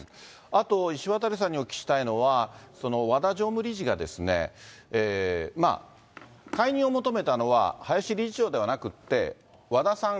あと石渡さんにお聞きしたいのは、和田常務理事がですね、解任を求めたのは、林理事長ではなくって、和田さん